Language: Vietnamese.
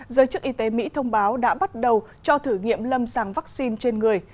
giới chức y tế mỹ thông báo đã bắt đầu cho thử nghiệm lâm sàng vaccine trên người